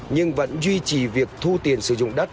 nhưng vẫn duy trì việc thu tiền sử dụng đất